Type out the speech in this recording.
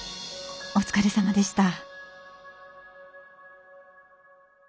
お疲れさまでした！